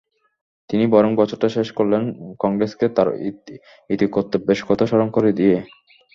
তিনি বরং বছরটা শেষ করলেন কংগ্রেসকে তার ইতিকর্তব্যের কথা স্মরণ করিয়ে দিয়ে।